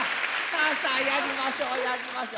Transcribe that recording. さあさあやりましょうやりましょう。